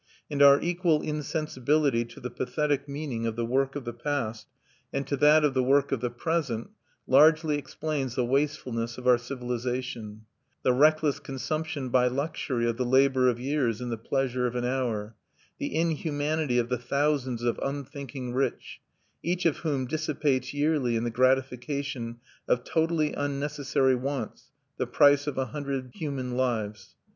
And our equal insensibility to the pathetic meaning of the work of the past, and to that of the work of the present, largely explains the wastefulness of our civilization, the reckless consumption by luxury of the labor of years in the pleasure of an hour, the inhumanity of the thousands of unthinking rich, each of whom dissipates yearly in the gratification of totally unnecessary wants the price of a hundred human lives.